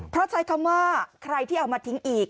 เพราะใช้คำว่าใครที่เอามาทิ้งอีก